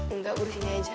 enggak urusin aja